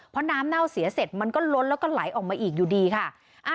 เพราะน้ำเน่าเสียเสร็จมันก็ล้นแล้วก็ไหลออกมาอีกอยู่ดีค่ะ